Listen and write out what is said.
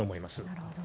なるほど。